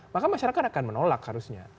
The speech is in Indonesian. maka masyarakat akan menolak harusnya